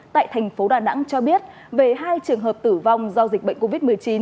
tại thành phố đà nẵng cho biết về hai trường hợp tử vong do dịch bệnh covid một mươi chín